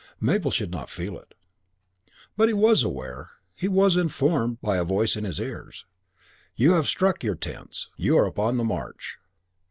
Mabel should not feel it. But he was aware, he was informed as by a voice in his ears, "You have struck your tents. You are upon the march."